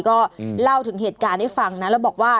ก็เล่าถึงเหตุการณ์ให้ฟังนะแล้วบอกว่า